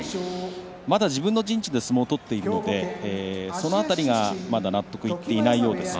まだ自分の陣地で相撲を取っているのでその辺りがまだ納得いっていないようです。